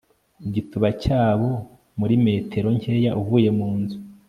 igituba cyabo muri metero nkeya uvuye munzu